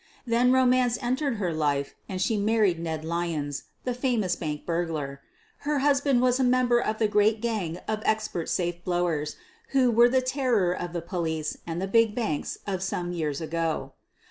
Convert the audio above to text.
Then romance entered her life and she married Ned Lyons, the famous bank burg lar. Her husband was a member of the great gang of expert safe blowers who were the terror of the police and the big banks of some years ago.